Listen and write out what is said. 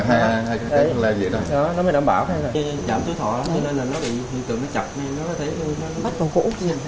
chạm chứa thọ lắm cho nên là nó bị hình tượng nó chập nó thấy nó bắt vào gỗ